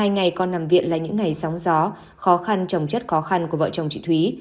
hai ngày con nằm viện là những ngày sóng gió khó khăn trồng chất khó khăn của vợ chồng chị thúy